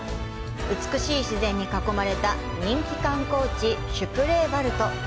美しい自然に囲まれた人気観光地シュプレーヴァルト。